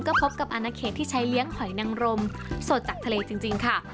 ก็พบกับอาณาเขตที่ใช้เลี้ยงหอยนังรมสดจากทะเลจริงค่ะ